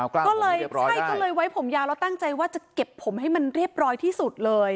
ก็เลยใช่ก็เลยไว้ผมยาวแล้วตั้งใจว่าจะเก็บผมให้มันเรียบร้อยที่สุดเลย